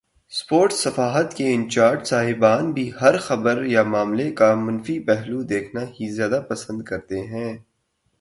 Sports صفحات کے in charge صاحبان بھی ہر خبر یا معاملے کا منفی پہلو دیکھنا ہی زیادہ پسند کرتے ہیں۔